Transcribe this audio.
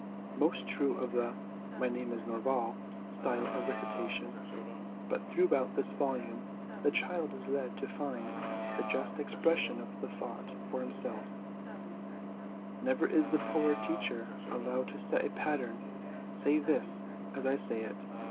' Most true of the ' My name is Norval ' style of recita tion ; but throughout this volume the child is led to 224 HOME EDUCATION find the just expression of the thought for himself; never is the poor teacher allowed to set a pattern ' say this as I say it.'